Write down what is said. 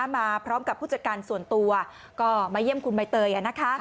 มาพร้อมกับผู้จัดการส่วนตัวก็มาเยี่ยมคุณใบเตย